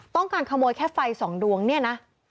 ต้องการขโมยแค่ไฟสองดวงเนี่ยนะ